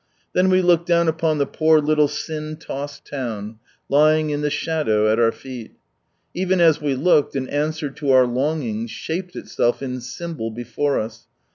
Then we looked down upon the poor little sin tossed town, lying in the shadow at our feet. Even as we looked, ao answer to our longings shaped itself in symbol before us.